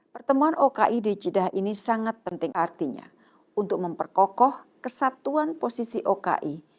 pertemuan oki di jeddah ini sangat penting artinya untuk memperkokoh kesatuan posisi oki